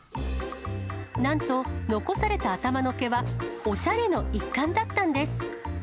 なんと、残された頭の毛は、おしゃれの一環だったんです。